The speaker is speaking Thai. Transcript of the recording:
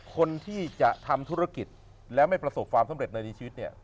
คนที่จะทำธุรกิจแล้วไม่ประสบความสำเร็จในชีวิตเนี่ย